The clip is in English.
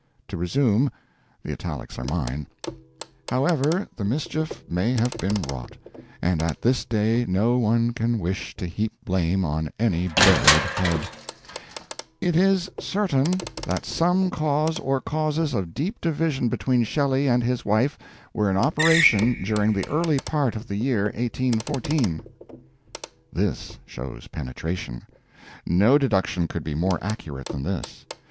To resume the italics are mine: "However the mischief may have been wrought and at this day no one can wish to heap blame on any buried head 'it is certain that some cause or causes of deep division between Shelley and his wife were in operation during the early part of the year 1814'." This shows penetration. No deduction could be more accurate than this.